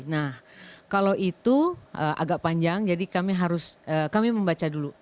nah kalau itu agak panjang jadi kami harus kami membaca dulu